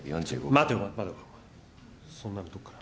待てお前待てそんなのどっから？